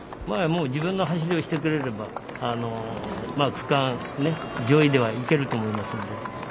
自分の走りをしてくれれば区間上位では行けると思いますので。